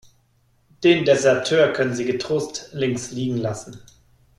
Den Deserteur können Sie getrost links liegen lassen.